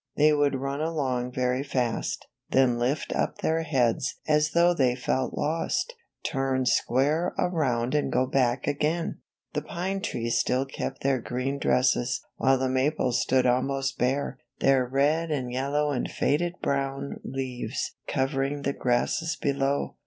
They would run along very fast, then lift up their heads as though they felt lost, turn square around and go back again. The pine trees still kept their green dresses, while the maples stood almost bare, their ^^red and yellow and faded brown'^ leaves covering the grasses below.